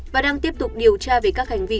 và đang tiếp tục điều tra về các hành vi